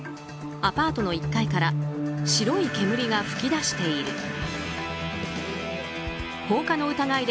アパートの１階から白い煙が噴き出している。